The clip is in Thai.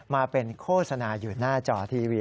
มาเป็นโฆษณาอยู่หน้าจอทีวี